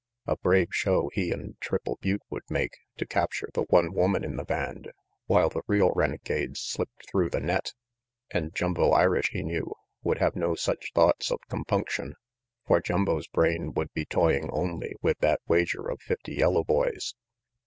A brave show he and Triple Butte would make, to capture the one woman in the band, while the real renegades slipped through the net! And Jumbo Irish, he knew, would have no such thoughts of compunction. For Jumbo's brain would be toying only with that wager of fifty yellow boys.